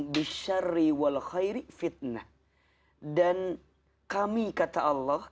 dan kami kata allah